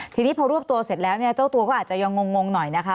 ทีนี้พอรวบตัวเสร็จแล้วเนี่ยเจ้าตัวก็อาจจะยังงงหน่อยนะคะ